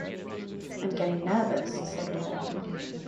"I'm getting nervous," said Moore.